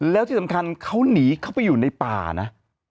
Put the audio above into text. แล้วที่สำคัญเขาหนีเข้าไปอยู่ในป่านะ